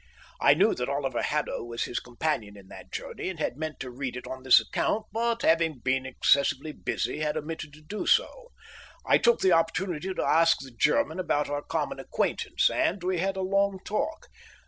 I knew that Oliver Haddo was his companion in that journey and had meant to read it on this account, but, having been excessively busy, had omitted to do so. I took the opportunity to ask the German about our common acquaintance, and we had a long talk.